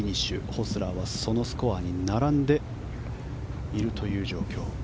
ホスラーはそのスコアに並んでいる状況。